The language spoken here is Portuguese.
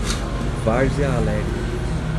Várzea Alegre